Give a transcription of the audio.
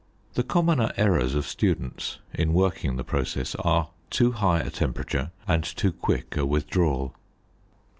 The commoner errors of students in working the process are too high a temperature and too quick a withdrawal.